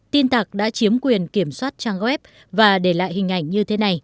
tin tạc đã chiếm quyền kiểm soát trang web và để lại hình ảnh như